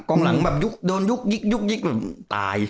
กองหลังแบบโดนยุกตาย